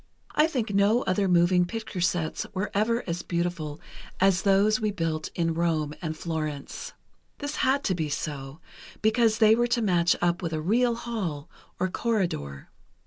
I think no other moving picture sets were ever as beautiful as those we built in Rome and Florence. This had to be so, because they were to match up with a real hall or corridor.